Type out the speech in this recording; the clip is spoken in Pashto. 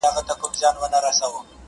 یوه ژبه یې ویل د یوه اېل وه،